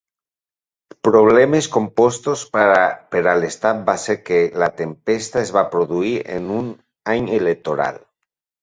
Problemes compostos per a l'estat va ser que la tempesta es va produir en un any electoral.